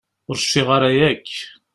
Ur cfiɣ ara yakk.